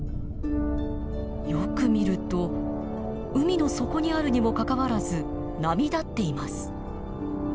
よく見ると海の底にあるにもかかわらず波立っています。